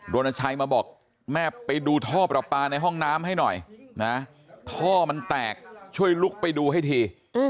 รณชัยมาบอกแม่ไปดูท่อประปาในห้องน้ำให้หน่อยนะท่อมันแตกช่วยลุกไปดูให้ที